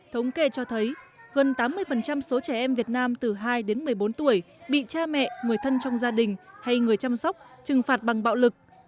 thống kê cho thấy gần tám mươi số trẻ em việt nam từ hai đến một mươi bốn tuổi bị cha mẹ người thân trong gia đình hay người chăm sóc trừng phạt bằng bạo lực